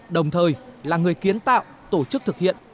đồng thời là người kiến tạo tổ chức thực hiện